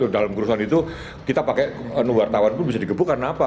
dalam kerusuhan itu kita pakai wartawan pun bisa digebuk karena apa